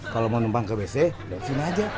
kalau mau numpang ke wc di sini aja